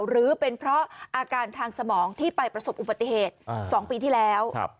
หรือเป็นเพราะอาการทางสมองที่ไปประสบอุบัติเหตุ๒ปีที่แล้ว